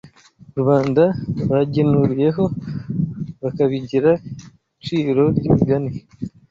rubanda bagenuriyeho bakabigira iciro ry’imigani